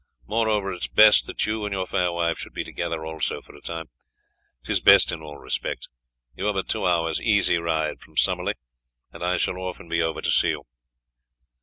Moreover, it is best that you and your fair wife should be together also for a time. 'Tis best in all respects. You are but two hours' easy riding from Summerley, and I shall often be over to see you."